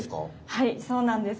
はいそうなんです。